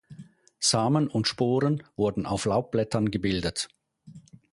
Samen und Sporen wurden auf Laubblättern gebildet.